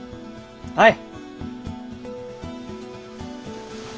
はい！